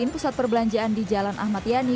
pusat perbelanjaan di jalan ahmad yani